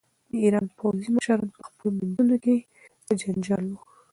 د ایران پوځي مشران په خپلو منځونو کې په جنجال وو.